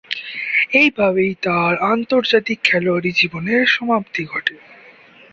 এভাবেই তার আন্তর্জাতিক খেলোয়াড়ী জীবনের সমাপ্তি ঘটে।